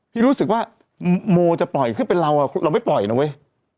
รู้สึกว่าโมจะปล่อยขึ้นเป็นเราเราไม่ปล่อยนะเว้ย